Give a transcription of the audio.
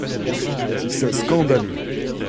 C’est scandaleux !